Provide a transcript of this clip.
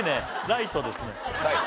ライトです